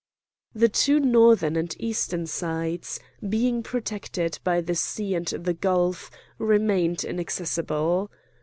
The two northern and eastern sides, being protected by the sea and the gulf, remained inaccessible.